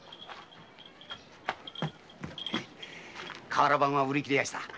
瓦版は売り切れやした。